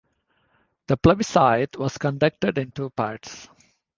The plebiscite was conducted in two parts.